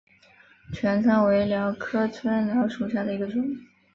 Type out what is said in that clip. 拳参为蓼科春蓼属下的一个种。